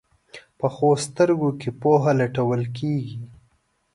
پخو سترګو کې پوهه لټول کېږي